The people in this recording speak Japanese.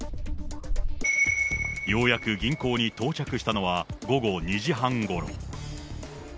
ようやく銀行に到着したのは、午後２時半ごろ。